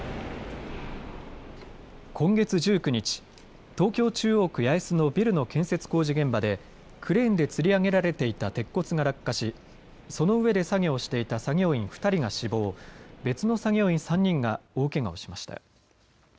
今月１９日、東京中央区八重洲のビルの建設工事現場でクレーンでつり上げられていた鉄骨が落下しその上で作業をしていた作業員２人が死亡、別の作業員３人が大けがをしました。